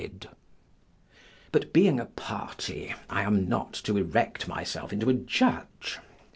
But being a party, I am not to erect myself into a judge.